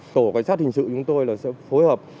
tổ cảnh sát hình sự chúng tôi là sẽ phối hợp